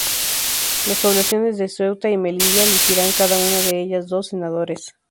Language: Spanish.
Las poblaciones de Ceuta y Melilla elegirán cada una de ellas dos senadores.